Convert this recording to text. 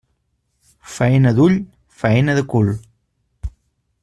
Faena d'ull, faena de cul.